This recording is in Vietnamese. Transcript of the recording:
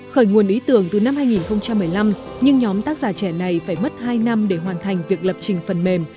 khởi nguồn ý tưởng từ năm hai nghìn một mươi năm nhưng nhóm tác giả trẻ này phải mất hai năm để hoàn thành việc lập trình phần mềm